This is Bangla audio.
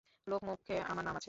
লোকমুখে আমার নাম আছে।